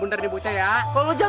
nah tuh ya si jen